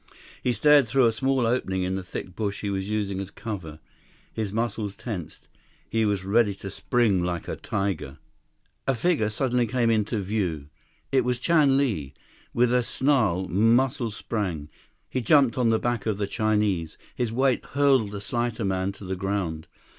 He stared through a small opening in the thick bush he was using as cover. His muscles tensed, he was ready to spring like a tiger. 163 A figure suddenly came into view. It was Chan Li. With a snarl, Muscles sprang. He jumped on the back of the Chinese. His weight hurled the slighter man to the ground.